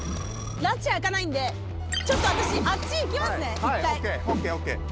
らちあかないんで、ちょっと私、あっち行きますね、一回。